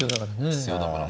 必要だから。